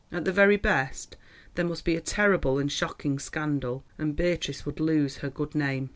At the very best there must be a terrible and shocking scandal, and Beatrice would lose her good name.